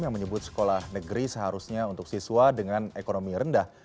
yang menyebut sekolah negeri seharusnya untuk siswa dengan ekonomi rendah